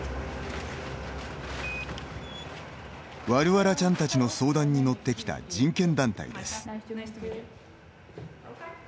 ワルワラちゃんたちの相談に乗ってきた人権団体です。